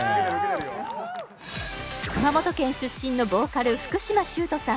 熊本県出身のボーカル福嶌崇人さん